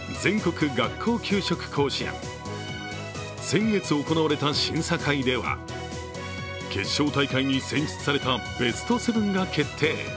先月行われた審査会では決勝大会に選出されたベスト７が決定。